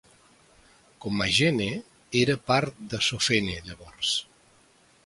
Commagene era part de Sofene llavors.